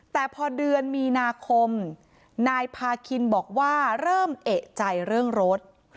แต่พอเดือนมีนาคมนายพาคินบอกว่าเริ่มเอกใจเรื่องรถ